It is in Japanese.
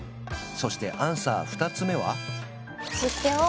そしてアンサー２つ目は？